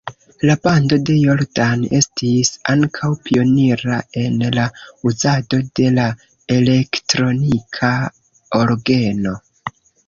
La bando de Jordan estis ankaŭ pionira en la uzado de la elektronika orgeno.